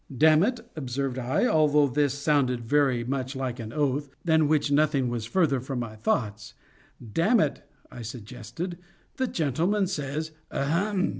"Dammit," observed I—although this sounded very much like an oath, than which nothing was further from my thoughts—"Dammit," I suggested—"the gentleman says 'ahem!